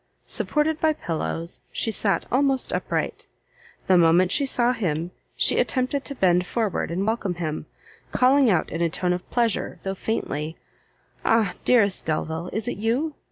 Supported by pillows, she sat almost upright. The moment she saw him, she attempted to bend forward and welcome him, calling out in a tone of pleasure, though faintly, "Ah! dearest Delvile! is it you?"